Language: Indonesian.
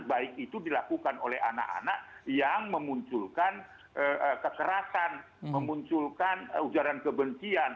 baik itu dilakukan oleh anak anak yang memunculkan kekerasan memunculkan ujaran kebencian